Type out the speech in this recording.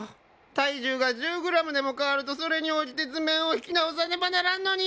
体重が１０ｇでも変わるとそれに応じて図面を引き直さねばならんのに！